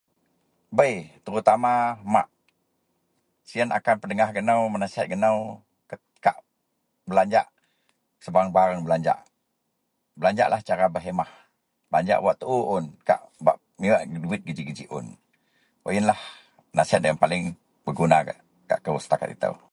Bei terutama mak, siyen akan pedengah gak nou menasihat gak nou kak belanjak sebareng-sebareng belanjak, belanjak lah secara berkhemah belanjak wak tuo un kak miwek duwit gak geji-geji ji un iyen lah nasihat paling beguna gak kou setakat ito.